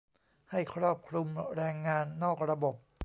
ให้ครอบคลุมแรงงานนอกระบบ